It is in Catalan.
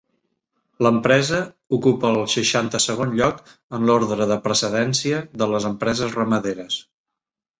L'empresa ocupa el seixanta-segon lloc en l'ordre de precedència de les empreses ramaderes.